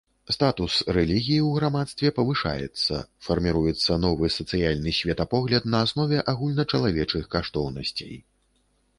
Статус рэлігіі ў грамадстве павышаецца, фарміруецца новы сацыяльны светапогляд на аснове агульначалавечых каштоўнасцей.